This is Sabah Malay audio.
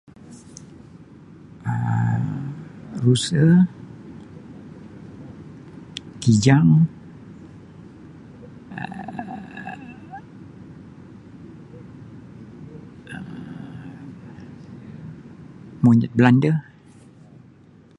Um Ruse kijang Um monyet belande.